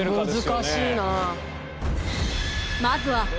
難しいな。